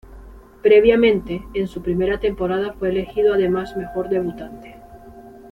Previamente, en su primera temporada fue elegido además mejor debutante.